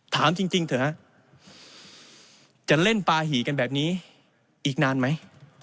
ถามจริงเถอะฮะจะเล่นปาหี่กันแบบนี้อีกนานไหม